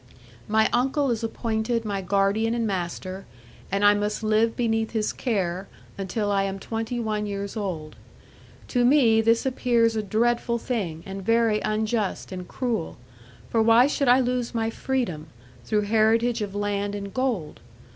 My uncle is appointed my guardian and master; and I must live beneath his care, until I am twenty one years old. To me this appears a dreadful thing, and very unjust, and cruel; for why should I lose my freedom, through heritage of land and gold?